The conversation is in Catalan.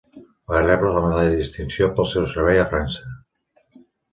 Va rebre la Medalla de distinció pel seu servei a França.